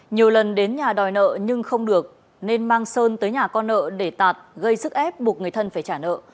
nhiều lần đến nhà đòi nợ nhưng không được nên mang sơn tới nhà con nợ để tạt gây sức ép buộc người thân phải trả nợ